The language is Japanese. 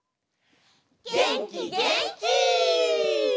げんきげんき！